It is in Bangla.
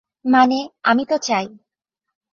মানে, আমি তো চাই।